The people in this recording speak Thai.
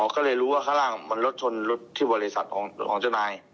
ก็เลยรู้ว่าข้างล่างมันรถชนรถที่บริษัทของเจ้านาย